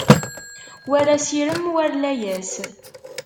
War asirem, war layas